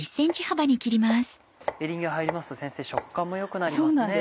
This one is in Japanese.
エリンギが入りますと先生食感も良くなりますね。